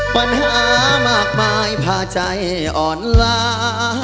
ปัญหามากมายผ่าใจอ่อนลา